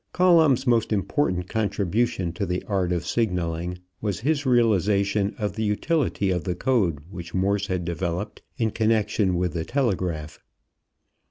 Colomb's most important contribution to the art of signaling was his realization of the utility of the code which Morse had developed in connection with the telegraph.